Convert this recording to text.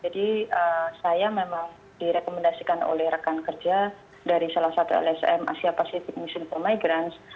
jadi saya memang direkomendasikan oleh rekan kerja dari salah satu lsm asia pacific mission for migrants